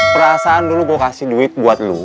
perasaan dulu gua kasih duit buat lu